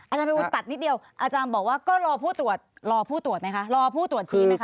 อาจารย์ภัยวูลตัดนิดเดียวอาจารย์บอกว่าก็รอผู้ตรวจรอผู้ตรวจไหมคะรอผู้ตรวจทีไหมค